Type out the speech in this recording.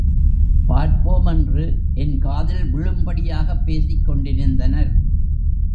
பார்ப்போம், என்று என் காதில் விழும்படியாகப் பேசிக் கொண்டிருந்தனர்.